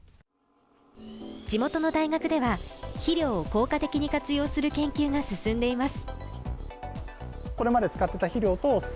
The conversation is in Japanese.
地元の大学では、肥料を効果的に活用する研究が進んでいます。